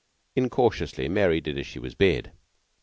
Incautiously Mary did as she was bid.